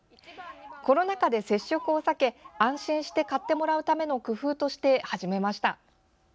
コロナ禍で接触を避け安心して買ってもらうための工夫として始めました。